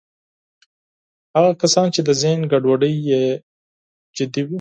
هغه کسان چې د ذهن ګډوډۍ یې جدي وي